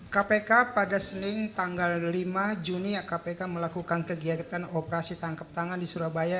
kpk pada senin tanggal lima juni kpk melakukan kegiatan operasi tangkap tangan di surabaya